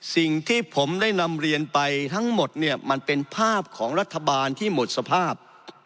สิ่งที่ผมได้นำเรียนไปทั้งหมดเนี่ยมันเป็นภาพของรัฐบาลที่หมดสภาพ